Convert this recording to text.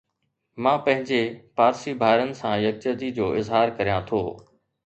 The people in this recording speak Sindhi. مان پنهنجي پارسي ڀائرن سان يڪجهتي جو اظهار ڪريان ٿو